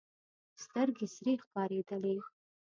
سترګې سرې ښکارېدلې.